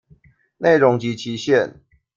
內容及期限